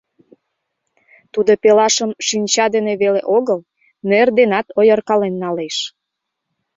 Тудо пелашым шинча дене веле огыл, нер денат ойыркален налеш.